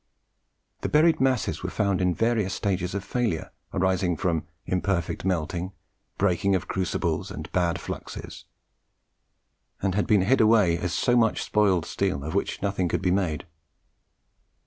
The buried masses were found in various stages of failure, arising from imperfect melting, breaking of crucibles, and bad fluxes; and had been hid away as so much spoiled steel of which nothing could be made.